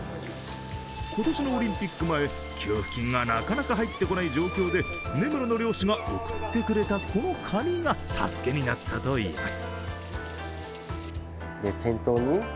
今年のオリンピック前、給付金がなかなか入ってこない状況で根室の漁師が送ってくれたこのカニが助けになったといいます。